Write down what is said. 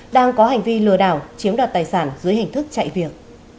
đang có hành vi lừa đảo chiếm đoạt tài sản dưới hình thức chạy việc